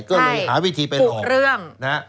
ก็เลยหาวิธีเป็นออกปลูกเรื่องนะ